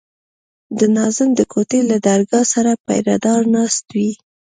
د ناظم د کوټې له درګاه سره پيره دار ناست وي.